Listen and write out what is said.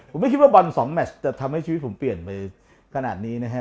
ผมไม่คิดว่าบอลสองแมชจะทำให้ชีวิตผมเปลี่ยนไปขนาดนี้นะฮะ